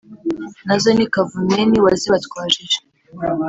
Nazo ni Kavumenti wazibatwajije